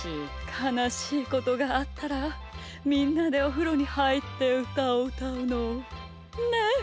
かなしいことがあったらみんなでおふろにはいってうたをうたうの！ね？ね！